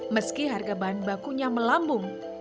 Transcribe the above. meski harga bahan bakunya melambung